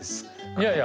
いやいや。